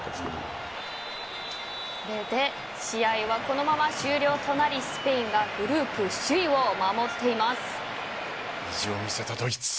試合はそのまま終了となりスペインがグループ首位を守っています。